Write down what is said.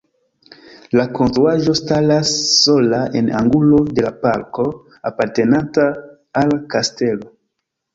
La konstruaĵo staras sola en angulo de la parko apartenanta al kastelo.